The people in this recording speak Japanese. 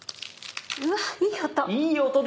わっいい音！